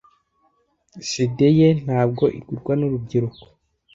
CD ye ntabwo igurwa nurubyiruko.